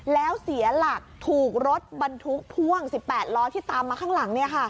แล้วเสียหลักถูกรถบรรทุกพ่วง๑๘ล้อที่ตามมาข้างหลัง